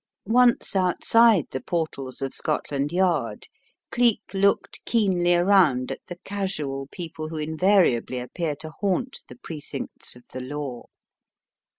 Once outside the portals of Scotland Yard, Cleek looked keenly around at the casual people who in variably appear to haunt the precincts of the law.